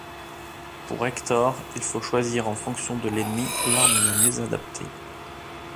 Pour Hector, il faut savoir choisir en fonction de l'ennemi l'arme la mieux adaptée.